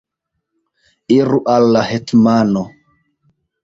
Iru al la hetmano!